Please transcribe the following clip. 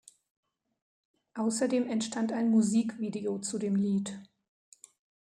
Außerdem entstand ein Musikvideo zu dem Lied.